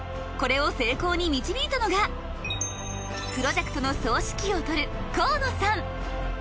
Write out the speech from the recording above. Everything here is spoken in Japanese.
これを成功に導いたのがプロジェクトの総指揮をとる河野さん。